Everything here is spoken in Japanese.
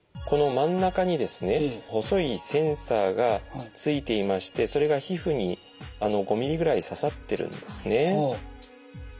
この真ん中にですね細いセンサーがついていましてそれが皮膚に５ｍｍぐらい刺さってるんですね。